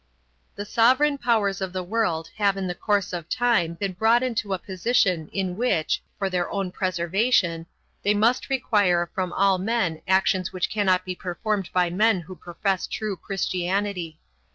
The sovereign powers of the world have in the course of time been brought into a position in which, for their own preservation, they must require from all men actions which cannot be performed by men who profess true Christianity.